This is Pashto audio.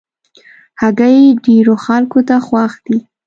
هګۍ ډېرو خلکو ته خوښ دي.